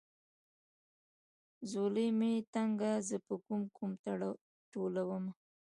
ځولۍ مې تنګه زه به کوم کوم ټولومه.